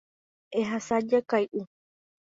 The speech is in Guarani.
Ehasa jakay'u.